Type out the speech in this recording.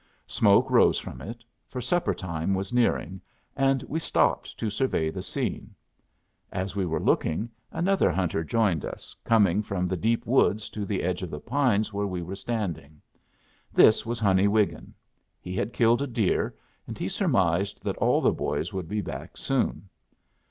Smoke rose from it; for supper time was nearing, and we stopped to survey the scene. As we were looking, another hunter joined us, coming from the deep woods to the edge of the pines where we were standing. This was Honey Wiggin. He had killed a deer, and he surmised that all the boys would be back soon.